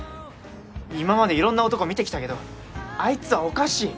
今まで色んな男見てきたけどあいつはおかしい